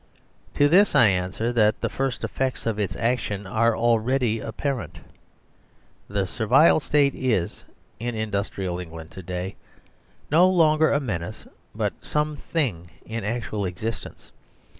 To this I answer that the first effects of its action are already apparent The Servile State is, in indus trial England to day, no longer a menace but some thing in actual existence.